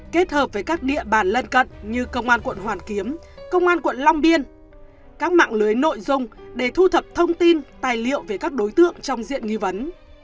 kết hợp với các địa bàn lân cận như công an quận hoàn kiếm công an quận long biên các mạng lưới nội dung để thu thập thông tin tài liệu về các đối tượng trong diện nghi vấn